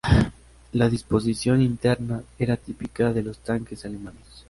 La disposición interna era típica de los tanques alemanes.